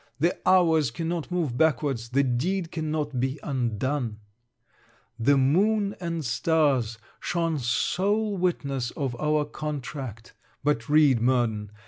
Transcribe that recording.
The hours cannot move backwards. The deed cannot be undone. The moon and stars shone sole witnesses of our contract! But read, Murden.